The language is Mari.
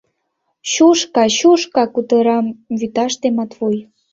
— Чушка, чушка, — кутыра вӱташте Матвуй.